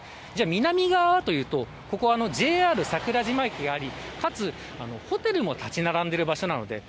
南側というとＪＲ桜島駅がありかつ、ホテルも立ち並んでいる場所です。